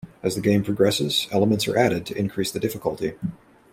As the game progresses, elements are added to increase the difficulty.